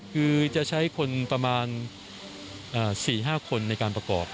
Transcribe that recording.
คือจะใช้คนประมาณ๔๕คนในการประกอบ